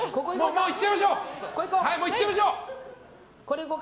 もう行っちゃいましょう！